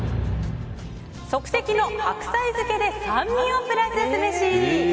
即席の白菜漬けで酸味をプラスすべし。